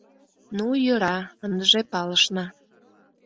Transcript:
Ну, йӧра, ындыже палышна.